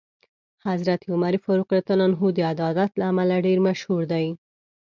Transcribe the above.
حضرت عمر فاروق رض د عدالت له امله ډېر مشهور دی.